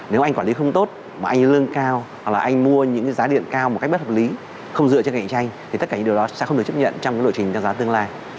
nếu anh quản lý không tốt mà anh lương cao hoặc là anh mua những cái giá điện cao một cách bất hợp lý không dựa trên cạnh tranh thì tất cả những điều đó sẽ không được chấp nhận trong cái lộ trình tăng giá tương lai